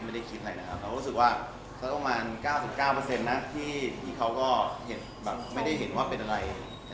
ไม่ได้คิดอะไรนะครับเราก็รู้สึกว่าสักประมาณ๙๙นะที่เขาก็เห็นแบบไม่ได้เห็นว่าเป็นอะไร